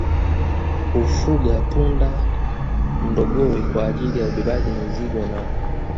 Hufuga punda ndogowe kwa ajili ya ubebaji mizigo na